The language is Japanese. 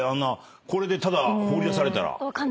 これでただ放り出されたら。